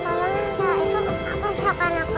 dan nyuruh aku beli rokok